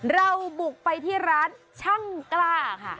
เราบุกไปที่ร้านช่างกล้าค่ะ